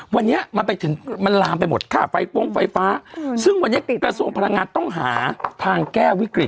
วันนี้มันไปถึงมันลามไปหมดค่ะไฟฟ้องไฟฟ้าซึ่งวันนี้กระทรวงพลังงานต้องหาทางแก้วิกฤต